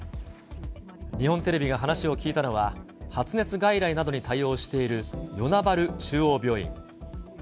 日本テレビが話を聞いたのは、発熱外来などに対応している与那原中央病院。